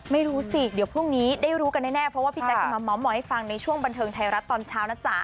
ไม่รู้สิเดี๋ยวพรุ่งนี้ได้รู้กันแน่เพราะว่าพี่แจ๊คจะมาเมาส์มอยให้ฟังในช่วงบันเทิงไทยรัฐตอนเช้านะจ๊ะ